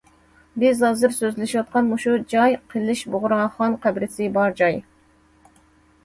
بىز ھازىر سۆزلىشىۋاتقان مۇشۇ جاي- قىلىچ بۇغراخان قەبرىسى بار جاي.